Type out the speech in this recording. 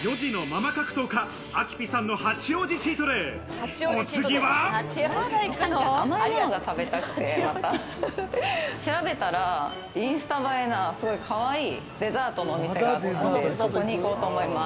甘いものが食べたくて、調べたら、インスタ映えの、かわいいデザートのお店があったので、そこに行こうと思います。